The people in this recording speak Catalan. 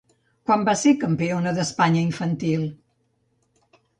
Quan va ser campiona d'Espanya infantil?